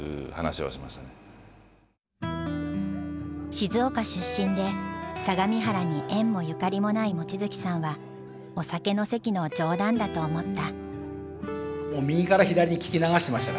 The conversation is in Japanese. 静岡出身で相模原に縁もゆかりもない望月さんはお酒の席の冗談だと思った。